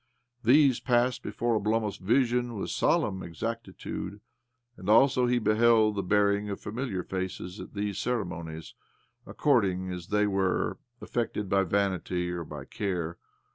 These passed before Oblomov's vision with solemn exactitude, and also he beheld the bearing of familiar faces at these ceremonies, according as they were affected by vanity or by care.